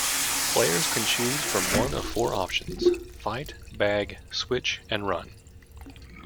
Players can choose from one of four options: Fight, Bag, Switch, and Run.